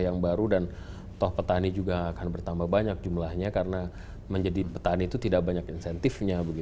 yang baru dan toh petani juga akan bertambah banyak jumlahnya karena menjadi petani itu tidak banyak insentifnya